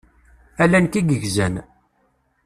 Ala nekk i yegzan.